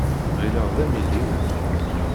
Ɣileɣ d amidi-nnem.